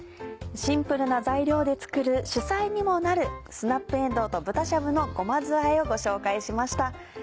シンプルな材料で作る主菜にもなる「スナップえんどうと豚しゃぶのごま酢あえ」をご紹介しました。